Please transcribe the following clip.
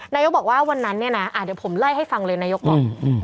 นายกบอกว่าวันนั้นเนี่ยนะเดี๋ยวผมไล่ให้ฟังเลยนายกก่อน